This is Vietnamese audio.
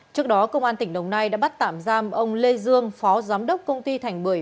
trước đó công an tỉnh đồng nai đã bắt tạm giam ông lê dương phó giám đốc công ty thành bưởi